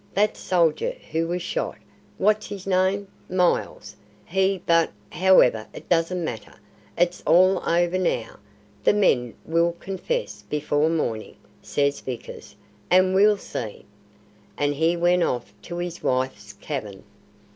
That soldier who was shot, what's his name? Miles, he but, however, it doesn't matter. It's all over now." "The men will confess before morning," says Vickers, "and we'll see." And he went off to his wife's cabin.